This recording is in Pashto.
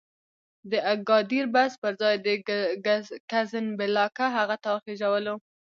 د اګادیر بس پر ځای د کزنبلاکه هغه ته وخېژولو.